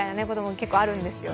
結構、あるんですよね。